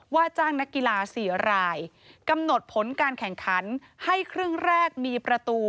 จ้างนักกีฬา๔รายกำหนดผลการแข่งขันให้ครึ่งแรกมีประตู